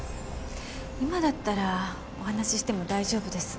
今だったらお話ししても大丈夫です。